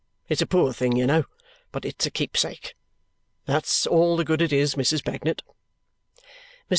It's a poor thing, you know, but it's a keepsake. That's all the good it is, Mrs. Bagnet." Mr.